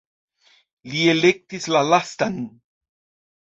Li elektis la lastan.